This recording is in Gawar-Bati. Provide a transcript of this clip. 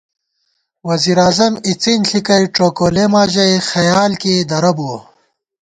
وزیر اعظم اِڅِن ݪِکَئ ڄوکولېما ژَئی خیال کېئی درہ بُوَہ